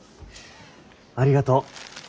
ありがとう。